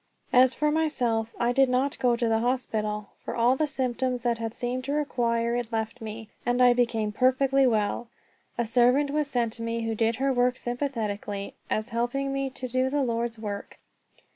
As for myself, I did not go to the hospital; for all the symptoms that had seemed to require it left me, and I became perfectly well. A servant was sent to me who did her work sympathetically, as helping me to do the Lord's work.